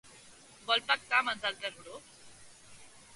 Vol pactar amb els altres grups?